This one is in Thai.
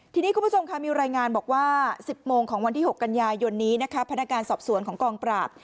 ทีนี้คุณผู้ชมค่ะมีรายงานบอกว่า๑๐โมงของวันที่๖กันยายนนี้นะคะพนักงานสอบสวนของกองปราบ